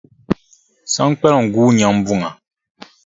Saŋkpaliŋ guui nyaŋ buŋa.